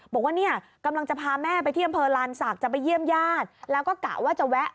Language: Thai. บอกว่าเนี่ยกำลังจะพาแม่ไปที่อำเภอลานศักดิ์จะไปเยี่ยมญาติแล้วก็กะว่าจะแวะ